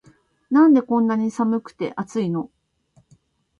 なんでこんなに寒くて熱いの